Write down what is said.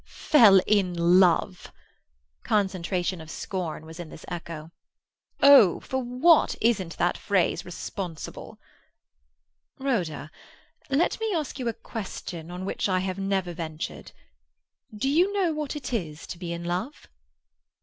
"Fell in love!" Concentration of scorn was in this echo. "Oh, for what isn't that phrase responsible!" "Rhoda, let me ask you a question on which I have never ventured. Do you know what it is to be in love?"